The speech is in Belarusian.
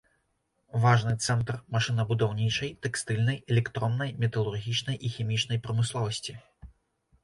Важны цэнтр машынабудаўнічай, тэкстыльнай, электроннай, металургічнай і хімічнай прамысловасці.